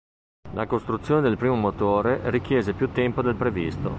La costruzione del primo motore richiese più tempo del previsto.